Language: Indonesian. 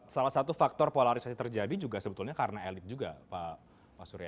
salah satu faktor polarisasi terjadi juga sebetulnya karena elit juga pak surya